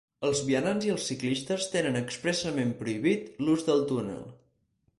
Els vianants i els ciclistes tenen expressament prohibit l'ús del túnel.